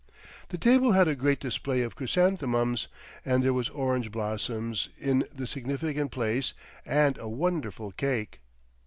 The table had a great display of chrysanthemums, and there was orange blossom in the significant place and a wonderful cake.